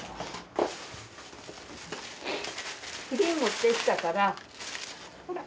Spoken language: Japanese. プリン持ってきたからほら。